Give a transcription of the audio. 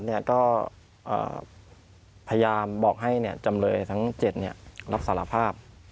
ก็พยายามบอกให้จำเลยทั้ง๗รับสารภาพ